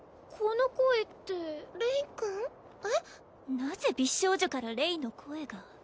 なぜ美少女からレイの声が？